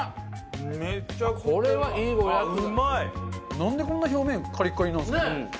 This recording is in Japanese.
なんでこんな表面カリカリなんですかね？